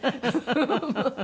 フフフフ！